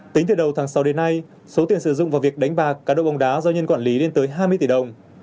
tính từ đầu tháng sáu đến nay số tiền sử dụng vào việc đánh bạc cá độ bóng đá do nhân quản lý lên tới hai mươi tỷ đồng